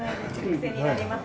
クセになります。